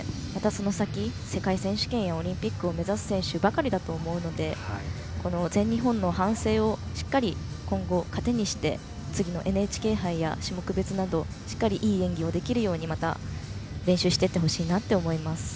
その先、世界選手権やオリンピックを目指す選手ばかりだと思うので全日本の反省をしっかり今後糧にして次のＮＨＫ杯や種目別など、しっかりいい演技ができるようまた、練習していってほしいなと思います。